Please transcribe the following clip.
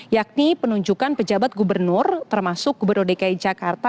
yakni penunjukan pejabat gubernur termasuk gubernur dki jakarta